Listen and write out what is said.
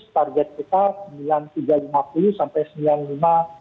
target kita sembilan ribu tiga ratus lima puluh sampai sembilan ribu lima ratus lima puluh